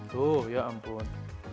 tuh ya ampun